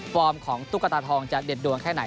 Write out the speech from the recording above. ของตุ๊กตาทองจะเด็ดดวงแค่ไหน